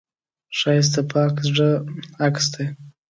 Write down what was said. ښایست د پاک زړه عکس دی